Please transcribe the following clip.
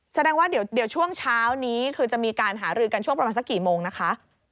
แสดงว่าเดี๋ยวช่วงเช้านี้คือจะมีการหารือกันช่วงประมาณสักกี่โมงนะคะ